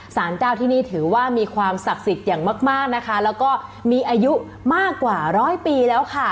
สารเจ้าที่นี่ถือว่ามีความศักดิ์สิทธิ์อย่างมากมากนะคะแล้วก็มีอายุมากกว่าร้อยปีแล้วค่ะ